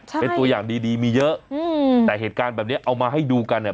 ใช่เป็นตัวอย่างดีดีมีเยอะอืมแต่เหตุการณ์แบบเนี้ยเอามาให้ดูกันเนี่ย